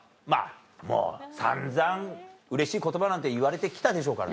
もう散々嬉しい言葉なんて言われて来たでしょうからね。